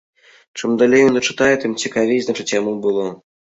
Чым далей ён дачытае, тым цікавей, значыць, яму было.